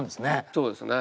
そうですね。